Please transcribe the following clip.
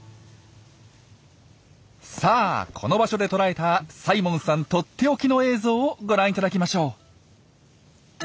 さあこの場所で捉えたサイモンさんとっておきの映像をご覧いただきましょう！